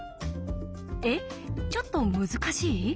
ちょっと難しい？